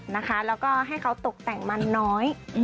แล้วก็ให้เขาตกแต่งมันน้อย